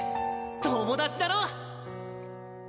友達だろ？